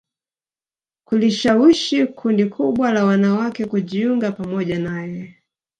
kulishawishi kundi kubwa la wanawake kujiunga pamoja naye